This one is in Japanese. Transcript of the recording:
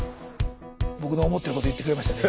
僕の思ってること言ってくれましたね